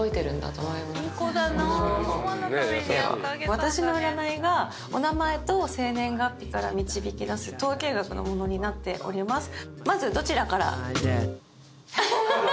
私の占いがお名前と生年月日から導き出す統計学のものになっております。